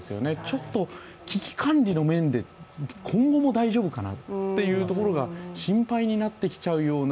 ちょっと危機管理の面で、今後も大丈夫かなというところが心配になってきちゃうような